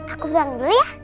aku pulang dulu ya